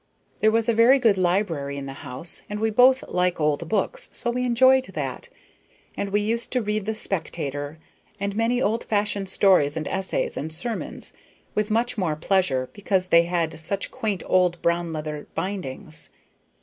There was a very good library in the house, and we both like old books, so we enjoyed that. And we used to read the Spectator, and many old fashioned stories and essays and sermons, with much more pleasure because they had such quaint old brown leather bindings.